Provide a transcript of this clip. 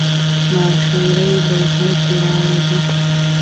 مرخیړي له ځمکې راوځي